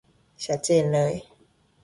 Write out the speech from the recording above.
ชัดเจนเลย